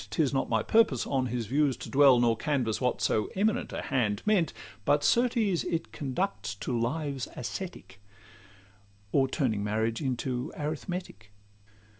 'Tis not my purpose on his views to dwell Nor canvass what so 'eminent a hand' meant; But certes it conducts to lives ascetic, Or turning marriage into arithmetic.